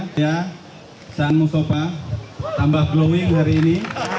saya san mustafa tambah glowing hari ini